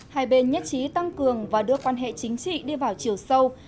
hai bên nhất trí tăng cường và đưa quan hệ chính trị đi vào chiều sâu